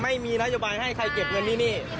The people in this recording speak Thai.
ไม่มีนโยบายให้ใครเก็บเงินที่นี่